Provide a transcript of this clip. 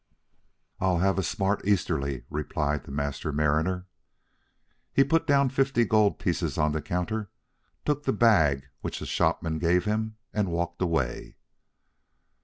"I'll have a smart easterly," replied the Master Mariner. He put down fifty gold pieces on the counter, took the bag which the shopman gave him, and walked away.